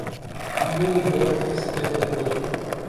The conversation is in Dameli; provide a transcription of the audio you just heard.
مو باٹ اِستمل کُتُھم